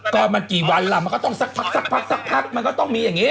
ก็มันกี่วันล่ะมันก็ต้องสักพักสักพักมันก็ต้องมีอย่างนี้